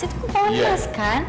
itu kemauan lo kan